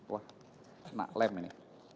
wah nah lem ini